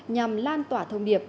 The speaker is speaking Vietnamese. nhằm lan tỏa thông điệp